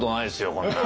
こんな。